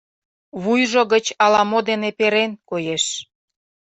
Вуйжо гыч ала-мо дене перен, коеш.